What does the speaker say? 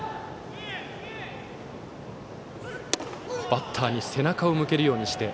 バッターに背中を向けるようにして。